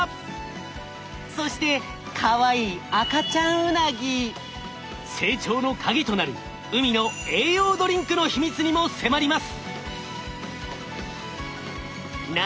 そしてかわいい成長のカギとなる海の栄養ドリンクの秘密にも迫ります。